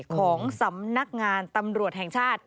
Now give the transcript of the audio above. ของสำนักงานตำรวจแห่งชาติ